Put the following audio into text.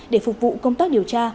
để phục vụ công tác điều tra